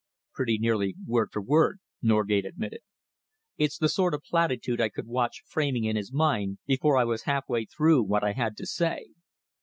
"Pretty nearly word for word," Norgate admitted. "It's the sort of platitude I could watch framing in his mind before I was half way through what I had to say.